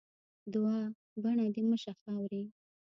دوعا؛ بڼه دې مه شه خاوري.